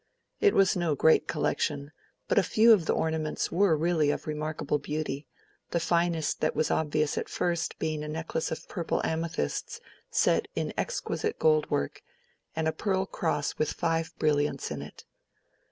It was no great collection, but a few of the ornaments were really of remarkable beauty, the finest that was obvious at first being a necklace of purple amethysts set in exquisite gold work, and a pearl cross with five brilliants in it.